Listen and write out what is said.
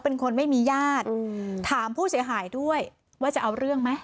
เป็นคนไม่มีญาติถามผู้เสียหายด้วยว่าจะเอาเรื่องไหม